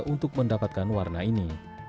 untuk mendapatkan warna ini